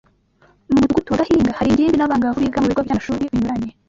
Mu mudugudu wa Gahinga hari ingimbi n’abangavu biga mu bigo by’amashuri binyuranye